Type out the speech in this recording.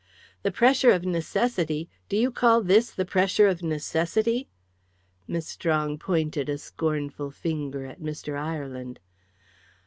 "The pressure of necessity! Do you call this the pressure of necessity?" Miss Strong pointed a scornful finger at Mr. Ireland.